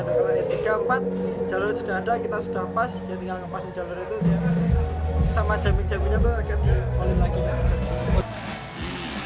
karena yang keempat jalurnya sudah ada kita sudah pas ya tinggal ngepasin jalurnya itu sama jemik jemiknya itu akan di pollin lagi